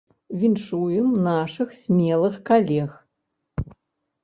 Віншуем нашых смелых калег.